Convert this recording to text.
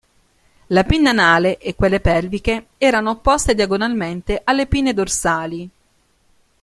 La pinna anale e quelle pelviche erano opposte diagonalmente alle pinne dorsali.